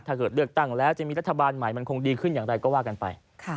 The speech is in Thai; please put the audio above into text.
ถ้าเกิดเลือกตั้งแล้วจะมีรัฐบาลใหม่มันคงดีขึ้นอย่างไรก็ว่ากันไป